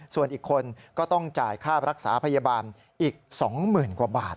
ส่วนอีกคนก็ต้องจ่ายค่ารักษาพยาบาลอีก๒๐๐๐กว่าบาท